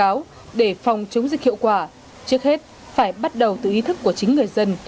hà nội sẽ khuyên cáo để phòng chống dịch hiệu quả trước hết phải bắt đầu từ ý thức của chính người dân